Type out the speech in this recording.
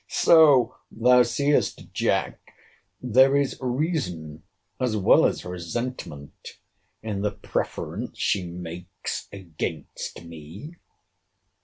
So thou seest, Jack, there is reason, as well as resentment, in the preference she makes against me!